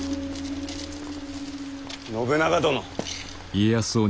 信長殿。